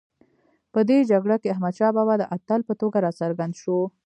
په دې جګړه کې احمدشاه بابا د اتل په توګه راڅرګند شو.